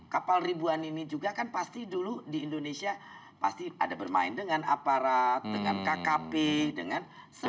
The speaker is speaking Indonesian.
kapal ribuan ini juga kan pasti dulu di indonesia pasti ada bermain dengan aparat dengan kkp dengan semua